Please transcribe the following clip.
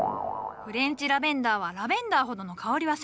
フレンチラベンダーはラベンダーほどの香りはせぬ。